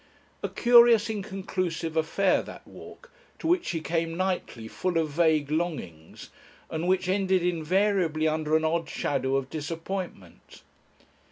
A curious, inconclusive affair, that walk, to which he came nightly full of vague longings, and which ended invariably under an odd shadow of disappointment.